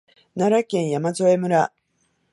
奈良県山添村